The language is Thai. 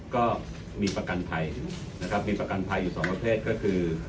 ก็มีประกันภัยนะครับมีประกันภัยอยู่สองประเภทก็คือ